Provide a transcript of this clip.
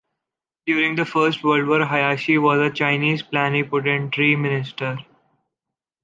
During the first World War, Hayashi was a Chinese plenipotentiary Minister.